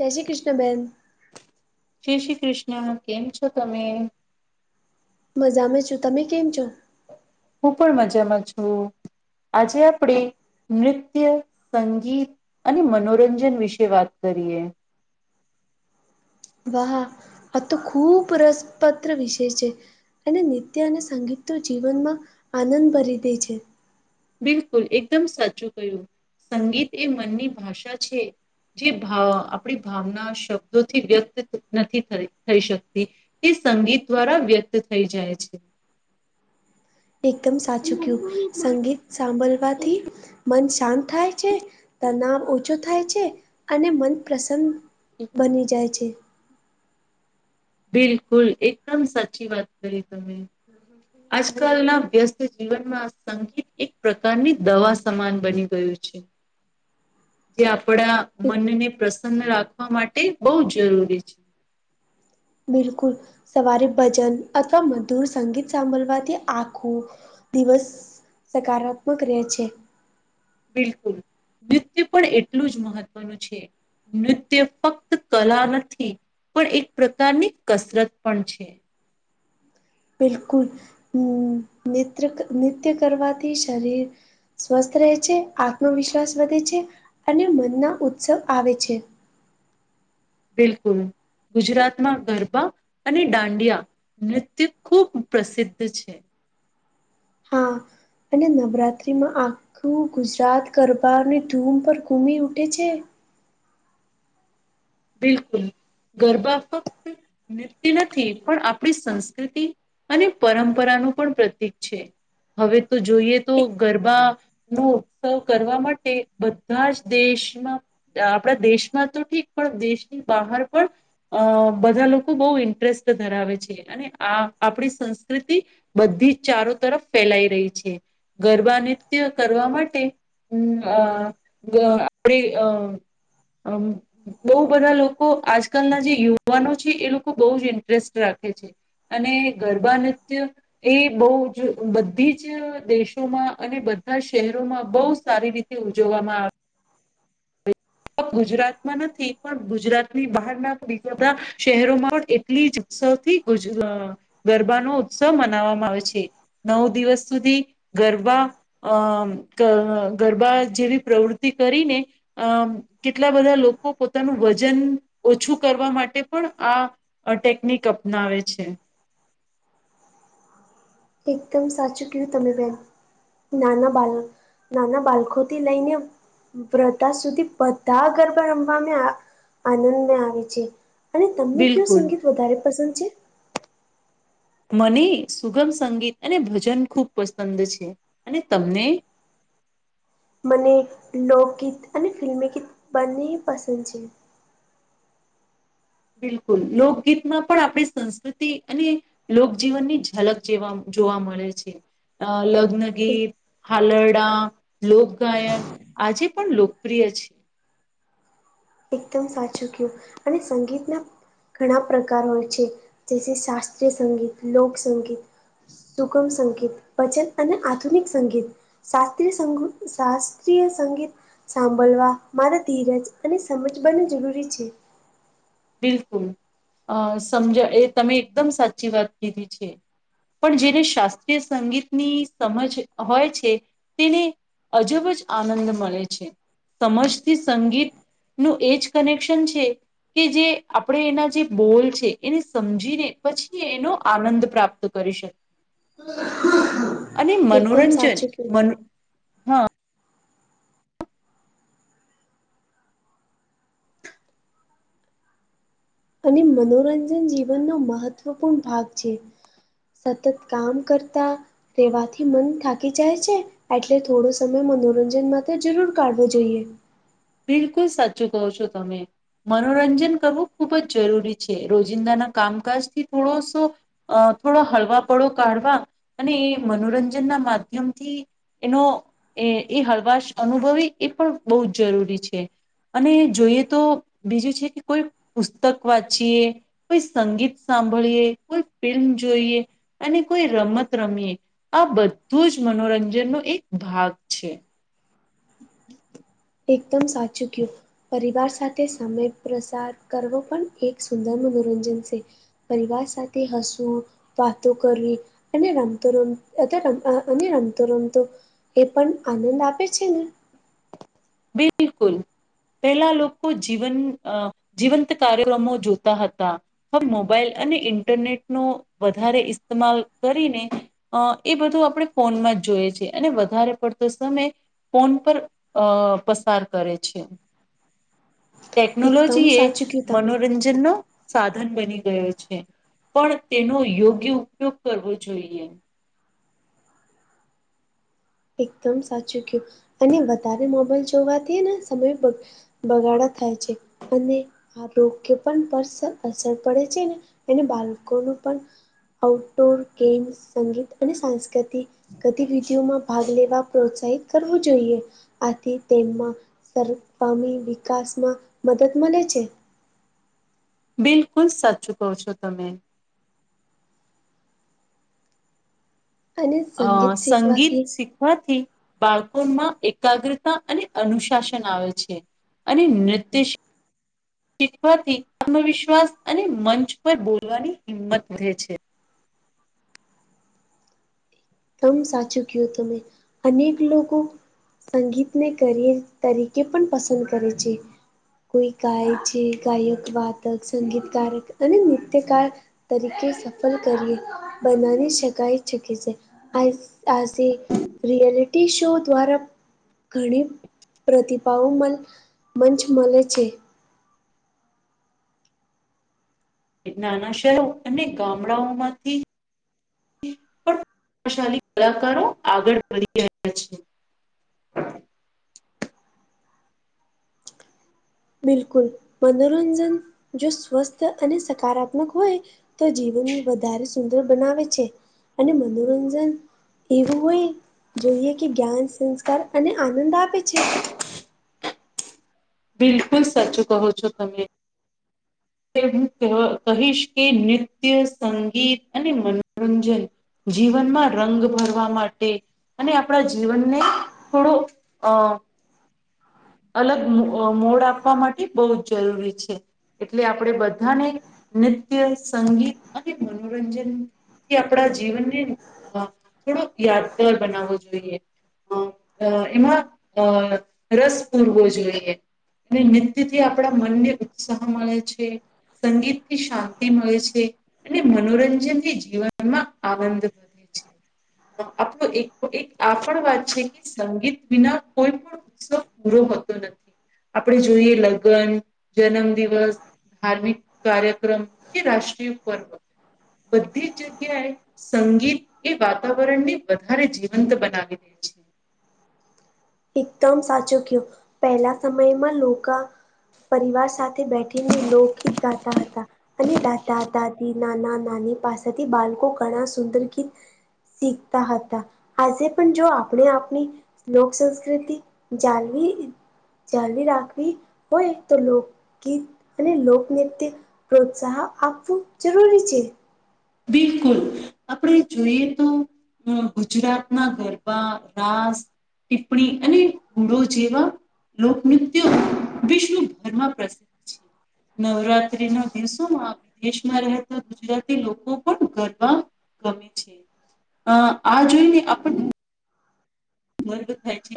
જય શ્રી કૃષ્ણબહેન શ્રી શ્રી કૃષ્ણ કેમ છો તમે મજામાં છું તમે કેમ છો હું પણ મજામાં છું આજે આપણે નૃત્ય સંગીત અને મનોરંજન વિશે વાત કરીએ વહા આ તો ખૂબ રસપત્ર વિષય છે અને નૃત્ય અને સંગીત તો જીવનમાં આનંદ ભરી દે છે. બિલકુલ એકદમ સાચું ક્યું સંગીત એ મનની ભાષા છે. જે ભ આપણી ભાવના શબ્દોથી વ્યક્ત નથી થ થઈ શકતી. તે સંગીત દ્વારા વ્યક્ત થઈ જાય છે. એકદમ સાચું કયું સંગીત સાંભળવાથી મન શાંત થાય છે તનાાવ ઓછો થાય છે અને મન પ્રસન્ન બની જાય છે. બિલકુલ એકદમ સાચી વાત કરી તમે. આજકાલ ના વ્યસ્ત જીવનમાં સંગીત એક પ્રકારની દવા સમાન બની ગયું છે. જે આપડા મનને પ્રસન્ન રાખવા માટે બહુ જરૂરી છે. બિલકુલ સવારે ભજન અથવા મધુર સંગીત સાંભળવાથી આખું દિવસ સકારાત્મક રહે છે. બિલકુલ નૃત્ય પણ એટલું જ મહત્વનું છે. નૃત્ય ફક્ત કલા નથી પણ એક પ્રકારની કસરત પણ છે. બિલકુલ હમ નિત્ર નિત્ય કરવાથી શરીર સ્વસ્થ રહે છે આત્મવિશ્વાસ વધે છે અને મનના ઉત્સવ આવે છે. બિલકુલ. ગુજરાતમાં ગરબા અને દાંડિયા નૃત્ય ખૂબ પ્રસિદ્ધ છે. હા અને નવરાત્રીમાં આ કું ગુજરાત ગરબાની ધૂમ પર ઘૂમી ઊઠે છે. બિલકુલ ગરબા ફક્ત નૃત્ય નથી પણ આપણી સંસ્કૃતિ અને પરંપરાનું પણ પ્રતીક છે હવે તો જોઈએ તો ગરબા નો ઉત્સવ કરવા માટે બધા જ દેશમાં આપણા દેશમાં તો ઠીક પણ દેશની બહાર પણ અ બધા લોકો બહુ ઇન્ટરેસ્ટ ધરાવે છે અને આ આપણી સંસ્કૃતિ બધી ચારો તરફ ફેલાઈ રહી છે ગરબા નિત્ય કરવા માટે હમ આ અ અ હ બહુ બધા લોકો આજકાલના જે યુવાનો છે એ લોકો બહુ જ ઇન્ટરેસ્ટ રાખે છે. અને ગરબા નૃત્ય એ બહ જ બધી જ દેશોમાં અને બધા શહેરોમાં બહુ સારી રીતે ઉજવવામાં આવે ગુજરાતમાં નથી પણ ગુજરાતની બહાર ના બીજા બધા શહેરોમાં પણ એટલી જ ઉત્સવથી અ ગરબાનો ઉત્સવ મનાવવામાં આવે છે. નવ દિવસ સુધી ગરબા અમ ગ ગરબા જેવી પ્રવૃતિ કરીને અમ કેટલા બધા લોકો પોતાનું વજન ઓછું કરવા માટે પણ આ અ ટેકનિક અપનાવે છે. એકદમ સાચું કું તમે બેન. નાના બાલ નાના બાળખોથી લઈને વર્તા સુધી બધા ગરબા રમવાવામાં આનંદ આવે છે. અને તમને કયો બિલકુલ સંગીત વધારે પસંદ છે. મને સુગમ સંગીત અને ભજન ખૂબ પસંદ છે અને તમને. મને લોકગીત અને ફિલ્મી ગીત બંને પસંદ છે. બિલકુલ લોકગીતમાં પણ આપણે સંસ્કૃતિ અને લોકજીવનની ઝલક જેવા જોવા મળે છે. છે. એક લગ્નગીત હાલરડા લોકગાયન આજે પણ લોકપ્રિય છે. એકદમ સાચું કયું અને સંગીતના ઘણા પ્રકાર હોય છે જે છે શાસ્ત્રીય સંગીત લોકસંગીત સુગમ સંગીત વચન અને આધુનિક સંગીત. શાસ્ત્રીય સંગ શાસ્ત્રીય સંગીત સાંભળવા મારા ધીરજ અને સમજવાની જરૂરી છે. બિલકુલ અ સમજ એ તમે એકદમ સાચી વાત કીધી છે. પણ જેને શાસ્ત્રીય સંગીતની સમજ હોય છે તેને. અજબ જ આનંદ મળે છે. સમજથી સંગીત નું એજ કનેક્શન છે. કે જે આપણે એના જે બોલ છે એને સમજીને પછી એનો આનંદ પ્રાપ્ત કરી શકીએ. અને એકદમ મનોરંજન સાચું કયું મ. અને મનોરંજન જીવનનો મહત્વપૂર્ણ ભાગ છે. સતત કામ કરતા રહેેવાથી મન થાકી જાય છે. એટલે થોડો સમય મનોરંજન માટેત્ર જરૂર કાઢવો જોઈએ. બિલકુલ સાચું કો છો તમે. મનોરંજન કરવું ખૂબ જ જરૂરી છે રોજિંદાના કામકાજ થી થોડોસો. અ થોડો હળવા પળો કાઢવા અને મનોરંજન ના માધ્યમથી. એનો એ એ હળવાશ અનુભવી એ પણ બહુ જ જરૂરી છે. અને જોઈએ તો બીજું છે કે કોઈ પુસ્તક વાંચીએ. કોઈ સંગીત સાંભળીએ કોઈ ફિલ્મ જોઈએ. અને કોઈ રમત રમીએ આ બધું જ મનોરંજનનો એક ભાગ છે. એકદમ સાચું કયું પરિવાર સાથે. તે સમય પ્રસાર કરવો પણ એક સુંદર મનોરંજન છે. પરિવાર સાથે હસવું વાતો કરવી અને રામતો રમ અમ અને રામતો રમતો. એ પણ આનંદ આપે છે ને બિલકુલ. પહેલા લોકો જીવન જીવંત કાર્યક્રમો જોતા હતા. હવે મોબાઈલ અને ઇન્ટરનેટ નો વધારે ઇસ્તેમાલ કરીને. અ એ બધું આપણે ફોનમાં જ જોઈએ છેએ અને વધારે પડતો સમય ફોન પર. અ પસાર કરે છે એકદમ ટેકનોલોજી એ સાચું કયું તમે મનોરંજન. જે ન સાધન બની ગયો છે. પણ તેનો યોગ્ય ઉપયોગ કરવો જોઈએ. એકદમ સાચું કયું અને વધારે મોબાઈલ જોવાથી સમય પગ. બગાડા થાય છે અને. આ રોગ્ય પણ અસર પડે છે ને એને બાળકોનું પણ આઉટડોર ગેમ્સ સંગીત અને સાંસ્કૃતિક ગતિવિધિઓમાં ભાગ લેવા પ્રોત્સા. હિત કરવું જોઈએ આથી તેમમાં સરપામી વિકાસમાં મદદ મળે છે. બિલકુલ સાચું કહો છો તમે. અને અ સંગીત સંગીત શીખવાથી શ. થી બાળકોમાં એકાગ્રતા અને અનુશાસન આવે છે. અને નૃત્ય શી ખવાથી આત્મવિશ્વાસ અને મંચ પર બોલવાની હિંમત વધે છે. તમ સાચું કયું તમે અનેક લોકો સંગીતને કરીયર તરીકે પણ પસંદ કરે છે. કોઈ ગાય છે ગાયક વાતક, સંગીતકારક અને નૃત્યકાર તરીકે સફળ કરીયર બનાવી શકાય શકે છે. આ આસી રિયાલિટી શો દ્વારા ઘીણી પ્રતિભાઓ મંચ મલે છે. એ નાનાં શહેરો અને ગામડાઓમાંથી પ્રશા કલાકારો આગળ વધી રહ્યા છે. બિલકુલ, મનોરંજન જો સ્વસ્થ અને સકારાત્મક હોય તો જીવનને વધારે સુંદર બનાવે છે અને મનોરંજન એવું હોય જોઈએ કે જ્ઞાન, સંસ્કાર અને આનંદ આપે છે. બિલકુલ સાચું કહો છો તમે. કે હું કહેવા કહીશ કે નૃત્ય, સંગીત અને મનોરંજન જીવનમાં રંગ ભરવા માટે અને આપણા જીવનને થોડો અ અલગ મો મોડ આપવા માટે બવ જ જરૂરી છે. એટલે આપણે બધાને નૃત્ય, સંગીત અને મનોરંજન થી આપણા જીવનને થોડોક યાદગાર બનાવવો જોઈએ. અ એમાં અ રસ પૂરવો જોઈએ. અને નૃત્યથી આપણા મનને ઉત્સાહ મળે છે. સંગીતથી શાંતિ મળે છે. અને મનોરંજનથી જીવનમાં આનંદ વધે છે. તો આ પણ એક એક આ પણ વાત છે કે સંગીત વિના કોઈપણ ઉત્સવ પૂરો હોતો નથી આપણે જોઈએ લગન, જન્મ દિવસ, ધાર્મિક કાર્યક્રમ કે રાષ્ટ્રીય પર્વ. બધી જ જગ્યાએ સંગીત એ વાતાવરણને વધારે જીવંત બનાવી દે છે. એકદમ સાચું કયુ પહેલાં સમયમાં લોકા પરિવાર સાથે બેઠીને લોકગીત ગાતાં હતાં. અને દાદા-દાદી, નાનાં-નાની પાસેથી બાળકો ઘણાં સુંદર ગીત શીખતા હતા આજે પણ જો આપણે આપણી લોકસંસ્ કૃતિ જાલવી જાલવી રાખવી હોય તો લોક ગીત અને લોકનૃત્ય પ્રોત્સાહ આપવું જરૂરી છે. બિલકુલ. આપણે જોઈએ તો ગુજરાતનાં ગરબા, રાસ ટીપ્પણી અને હૂડો જેવાં લોકનૃત્યો વિશ્વભરમાં પ્રસિદ્ધ છે. નવરાત્રીના દિવસોમાં વિદેશમાં રહેતાં ગુજરાતી લોક કો પણ ગરબા ગમે છે આ જોઈને આપણને મર્ગ થાય છે.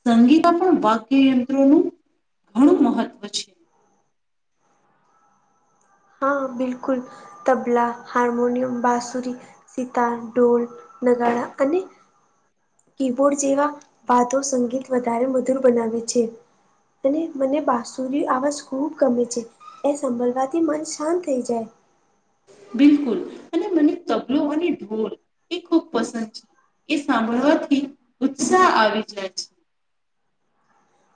સંગીતા પણ વાઘ્ય યંત્રોનું ઘણું મહત્વ છે. હા, બિલકુલ. તબલા, હાર્મોનિયમ, બાસુરી, સિતાર, ઢોલ, નગાડા અને કી-બોર્ડ જેવા વાધ્યો સંગીત વધારે મધુર બનાવે છે. અને મને બાસુરી આવાજ ખુબ ગમે છે. એ સંભળવાથી મન શાંત થઈ જાય. બિલકુલ અને મને તબલો અને ઢોલ ખૂબ પસંદ છે એ સાંભળવાથી ઉત્સાહ આવી જાય છે.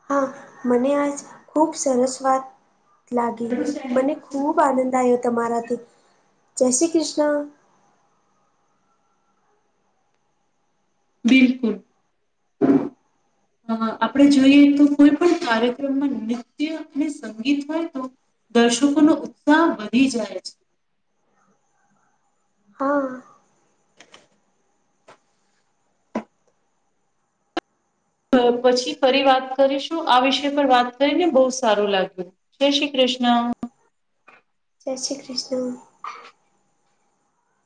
હા મને આજ ખૂબ સરસ્ વાત લાગી છે. મને ખૂબ આનંદ આવ્યો તમારાથી જય શ્રી કૃષ્ણ બિલકુલ અ આપડે જોઈએ તો કોઈ પણ કાર્યક્રમમાં નત્ય અને સંગીત હોય તો દર્શકો નો ઉત્સાહ વધી જાય છે હા પછી ફરી વાત કરીશું આ વિષ પણ વાત કરીને બહુ સારું લાગ્યું જય શ્રી કૃષ્ણ જય શ્રી કૃષ્ણ હ [unintelligible]